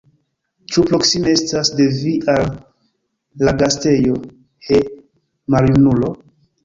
Ĉu proksime estas de vi la gastejo, he, maljunulo?